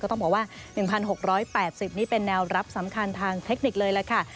ต้องบอกว่า๑๖๘๐นี่เป็นแนวรับสำคัญทางเทคนิคเลยล่ะค่ะ